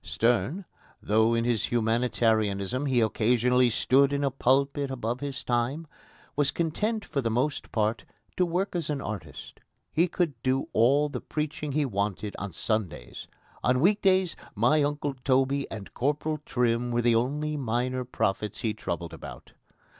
Sterne, though in his humanitarianism he occasionally stood in a pulpit above his time, was content for the most part to work as an artist. He could do all the preaching he wanted on Sundays. On week days my Uncle Toby and Corporal Trim were the only minor prophets he troubled about.